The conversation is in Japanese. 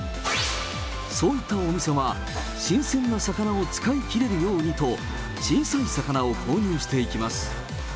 そういったお店は、新鮮な魚を使いきれるようにと、小さい魚を購入していきます。